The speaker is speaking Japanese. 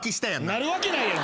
なるわけないやん。